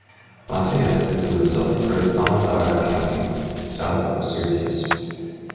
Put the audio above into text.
LaFayette is in the southern part of Onondaga County, south of Syracuse.